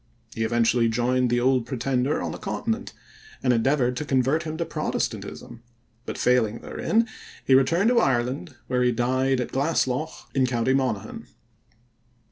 He even joined the Old Pretender on the continent, and endeavored to convert him to Protestantism, but, failing therein, he returned to Ireland, where he died at Glasslough in county Monaghan.